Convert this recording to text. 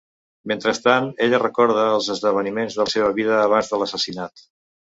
Mentrestant ella recorda els esdeveniments de la seva vida abans de l'assassinat.